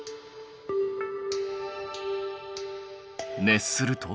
熱すると？